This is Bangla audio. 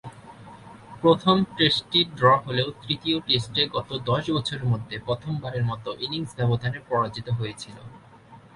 প্রথম টেস্টটি ড্র হলেও তৃতীয় টেস্টে গত দশ বছরের মধ্যে প্রথমবারের মতো ইনিংসের ব্যবধানে পরাজিত হয়েছিল।